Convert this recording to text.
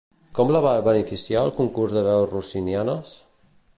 Com la va beneficiar el Concurs de Veus Rossinianes?